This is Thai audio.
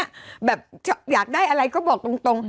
แบบอยากได้อะไรก็บอกตรง